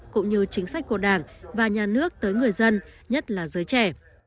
cũng như chính sách của đảng và nhà nước tới người dân nhất là giới trẻ